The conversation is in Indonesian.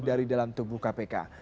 dari dalam tubuh kpk